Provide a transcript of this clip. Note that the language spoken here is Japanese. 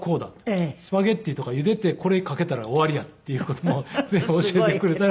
スパゲティとかゆでてこれかけたら終わりやっていう事も全部教えてくれたら。